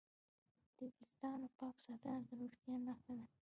د وېښتانو پاک ساتنه د روغتیا نښه ده.